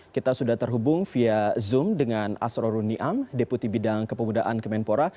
kita sudah terhubung via zoom dengan asroruniam deputi bidang kepemudaan kemenpora